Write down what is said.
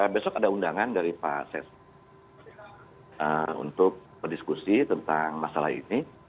besok ada undangan dari pak ses untuk berdiskusi tentang masalah ini